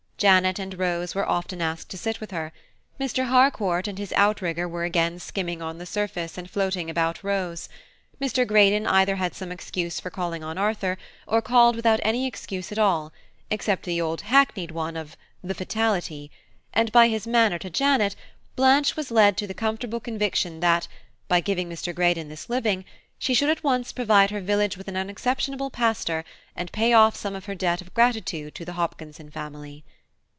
Janet and Rose were often asked to sit with her. Mr. Harcourt and his outrigger were again skimming on the surface and floating about Rose; Mr. Greydon either had some excuse for calling on Arthur, or called without any excuse at all, except the old hackneyed one of "the fatality," and by his manner to Janet, Blanche was led to the comfortable conviction that, by giving Mr. Greydon this living, she should at once provide her village with an unexceptionable pastor, and pay off some of her debt of gratitude to the Hopkinson family.